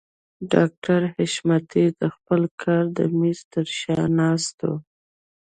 ډاکټر حشمتي د خپل کار د مېز تر شا ناست و.